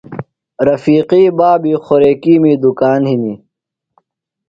رفیقی بابی خوریکِیمی دُکان ہِنیۡ۔